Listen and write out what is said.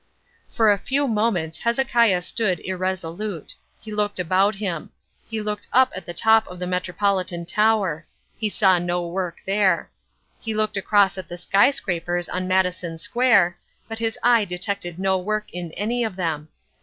For a few moments Hezekiah stood irresolute. He looked about him. He looked up at the top of the Metropolitan Tower. He saw no work there. He looked across at the skyscrapers on Madison Square, but his eye detected no work in any of them.